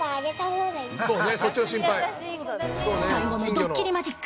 最後にドッキリマジック。